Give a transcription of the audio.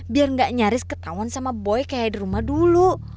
biar gak nyaris ketahuan sama boy kayak di rumah dulu